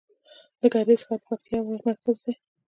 د ګردیز ښار د پکتیا مرکز دی